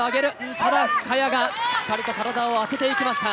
ただ深谷がしっかりと体を当てていきました。